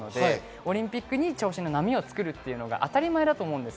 オリンピックに調子の波を作るというのは当たり前だと思います。